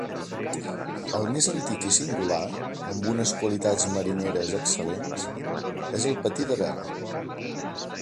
El més antic i singular, amb unes qualitats marineres excel·lents, és el patí de vela.